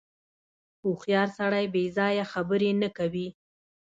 • هوښیار سړی بېځایه خبرې نه کوي.